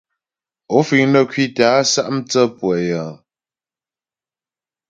Ó fíŋ nə́ ŋkwítə́ a sá' mtsə́ pʉə́ yəŋ ?